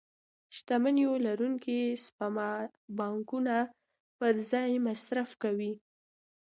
شتمنيو لرونکي سپما پانګونه پر ځای مصرف کوي.